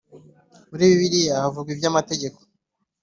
Muri Bibiliya havugwa iby ‘amategeko.